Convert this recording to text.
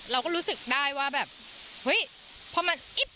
เราก็รู้สึกได้ว่าแบบเฮ้ยพอมันอิ๊บ